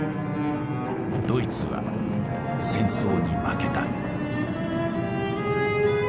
ドイツは戦争に負けた。